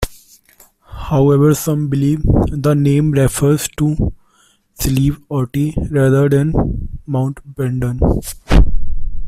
However, some believe the name refers to Slieve Aughty rather than Mount Brandon.